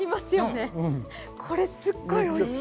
これ、すっごいおいしい。